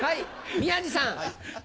宮治さん。